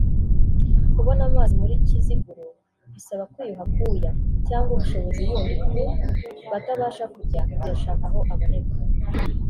Kubona amazi muri Kiziguro bisaba kwiyuha akuya cyangwa ubushobozi bundi ku batabasha kujya kuyashaka aho aboneka